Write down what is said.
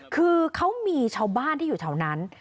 คือเขามีชาวบ้านที่อยู่แถวนั้น